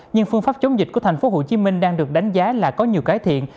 nhưng phương pháp chống dịch của thành phố hồ chí minh đang được đánh giá là có nhiều cải thiện